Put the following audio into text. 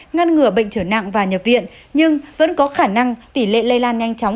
ngăn ngừa bệnh trở nặng và nhập viện nhưng vẫn có khả năng tỷ lệ lây lan nhanh chóng